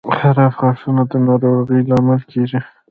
• خراب غاښونه د ناروغۍ لامل کیږي.